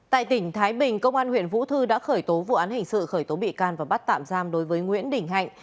tại tỉnh thái bình công an huyện vũ thư đã khởi tố vụ án hình sự khởi tố bị can và bắt tạm giam đối với nguyễn đình hạnh